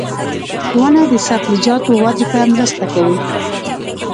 • ونه د سبزیجاتو وده ته مرسته کوي.